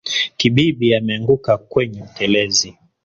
Kibibi ameanguka kwenye utelezi